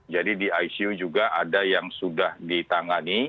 jadi di icu juga ada yang sudah ditangani